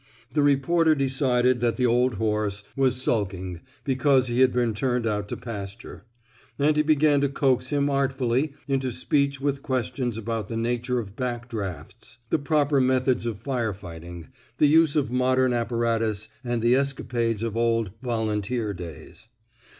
The reporter decided that the old horse was sulking because he had been turned out to 281 THE SMOKE EATERS pasture; and he began to coax him artfully into speech with questions about the nature of back drafts, the proper methods of fire fightingy the use of modem apparatus and the escapades of old volunteer *' days.